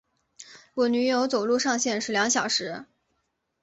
我女友走路上限是两小时